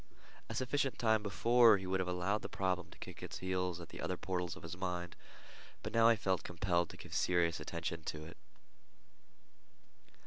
A sufficient time before he would have allowed the problem to kick its heels at the outer portals of his mind, but now he felt compelled to give serious attention to it.